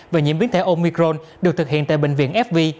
về nhiễm biến thể omicron được thực hiện tại bệnh viện fv